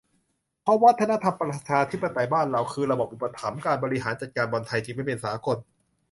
เพราะวัฒนธรรมประชาธิปไตยบ้านเรา คือระบบอุปถัมภ์ การบริหารจัดการบอลไทยจึงไม่เป็นสากล